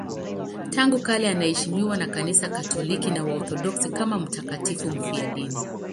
Tangu kale anaheshimiwa na Kanisa Katoliki na Waorthodoksi kama mtakatifu mfiadini.